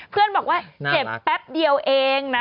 เพื่อนบอกว่าเจ็บแป๊บเดียวเองนะ